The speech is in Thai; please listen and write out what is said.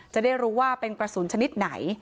จะได้รู้ว่าเป็นกระสุนชนิดไหน